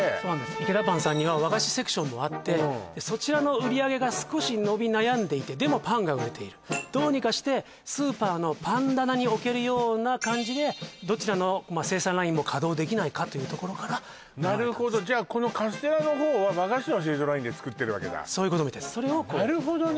イケダパンさんには和菓子セクションもあってそちらの売り上げが少し伸び悩んでいてでもパンが売れているどうにかしてスーパーのパン棚に置けるような感じでどちらの生産ラインも稼働できないかというところから生まれたんですなるほどじゃあこのカステラの方は和菓子の製造ラインで作ってるわけだそういうことみたいですなるほどね